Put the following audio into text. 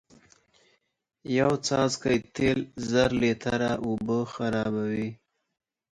یو څاڅکی تیل زر لیتره اوبه خرابوی